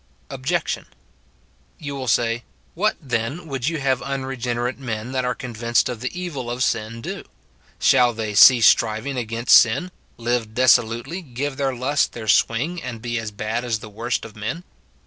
Ohj. You will say, " What, then, would you have un regenerate men that are convinced of the evil of sin do ? Shall they cease striving against sin, live dissolutely, give their lusts their swing, and be as bad as the worst of men